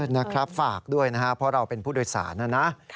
นะครับฝากด้วยนะครับเพราะเราเป็นผู้โดยสารนะนะ